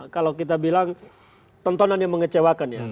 kalau kita bilang tontonan yang mengecewakan ya